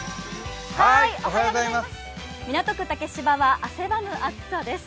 港区竹芝は汗ばむ暑さです。